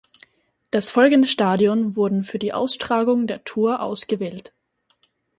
Das folgende Stadion wurden für die Austragung der Tour ausgewählt.